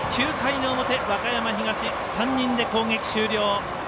９回の表、和歌山東は３人で攻撃終了。